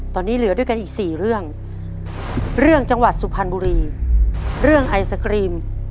ตอนนี้เหลือด้วยกันอีกสี่เรื่องเรื่องจังหวัดสุพรรณบุรีเรื่องไอศครีม